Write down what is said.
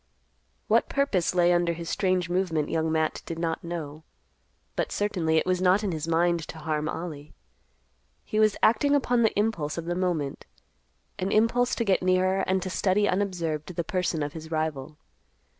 What purpose lay under his strange movement Young Matt did not know. But certainly it was not in his mind to harm Ollie. He was acting upon the impulse of the moment; an impulse to get nearer and to study unobserved the person of his rival.